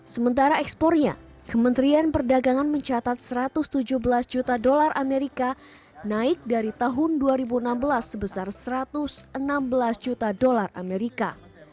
sementara ekspornya kementerian perdagangan mencatat satu ratus tujuh belas juta dolar amerika naik dari tahun dua ribu enam belas sebesar satu ratus enam belas juta dolar amerika